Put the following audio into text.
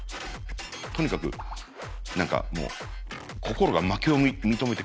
とにかく何かもう心が負けを認めて悔しいみたいな。